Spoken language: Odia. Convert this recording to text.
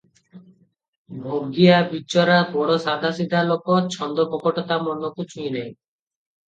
ଭଗିଆ ବିଚରା ବଡ଼ ସାଦାସିଧା ଲୋକ, ଛନ୍ଦ କପଟ ତା ମନ କୁ ଛୁଇଁ ନାହିଁ ।